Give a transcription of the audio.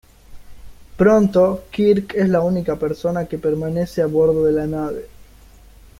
Pronto, Kirk es la única persona que permanece a bordo de la nave.